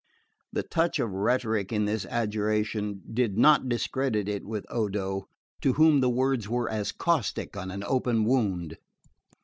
The touch of rhetoric in this adjuration did not discredit it with Odo, to whom the words were as caustic on an open wound.